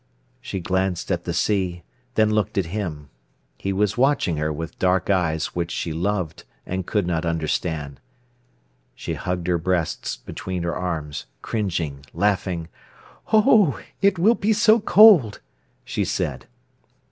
She glanced at the sea, then looked at him. He was watching her with dark eyes which she loved and could not understand. She hugged her breasts between her arms, cringing, laughing: "Oo, it will be so cold!" she said.